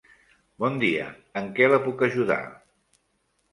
Bon dia, en què la puc ajudar?